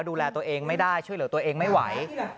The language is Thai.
ดูแลตัวเองไม่ได้ช่วยเหลือตัวเองไม่ไหว